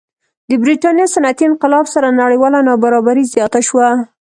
د برېټانیا صنعتي انقلاب سره نړیواله نابرابري زیاته شوه.